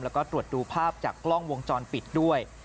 แล้วก็ตรวจดูภาพจากกล้องวงจรปิดด้วย